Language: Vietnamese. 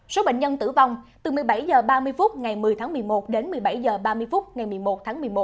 số bệnh nhân tử vong từ một mươi bảy h ba mươi phút ngày một mươi tháng một mươi một đến một mươi bảy h ba mươi phút ngày một mươi một tháng một mươi một